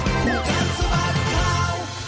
สวัสดีครับคุณชิสา